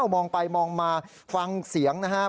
มองไปมองมาฟังเสียงนะครับ